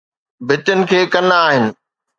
ڀتين کي ڪن آهن